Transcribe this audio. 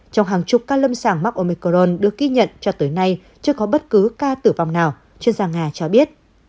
trong hàng chục ca lâm sàng mắc omicron được ghi nhận cho tới nay chưa có bất cứ ca tử vong nào chuyên gia nga cho biết